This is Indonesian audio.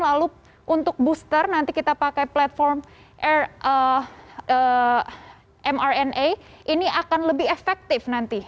lalu untuk booster nanti kita pakai platform mrna ini akan lebih efektif nanti